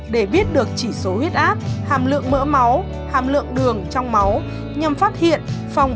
để biết được chỉ số huyết áp hàm lượng mỡ máu hàm lượng đường trong máu nhằm phát hiện phòng